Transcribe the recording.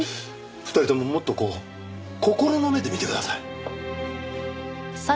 ２人とももっとこう心の目で見てください。